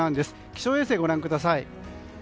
気象衛星をご覧ください。